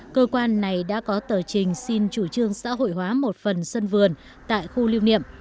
cơ quan này đã có tờ trình xin chủ trương xã hội hóa một phần sân vườn tại khu lưu niệm